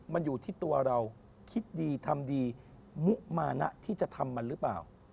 มันอยู่ที่ตัวเราคิดดีทำดีมุมานะที่จะทำมันหรือเปล่า